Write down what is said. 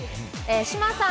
志麻さん